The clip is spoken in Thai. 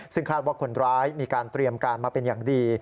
ซึ่งคาดว่าคนร้ายมีการเตรียมการมาเป็นอย่างดี